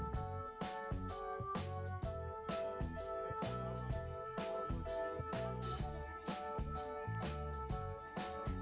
penerapan protokol kesehatan tetap dilakukan sebagai langkah menyambut kedatangan wisatawan